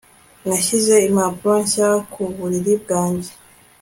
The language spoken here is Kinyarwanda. Nashyize impapuro nshya ku buriri bwanjye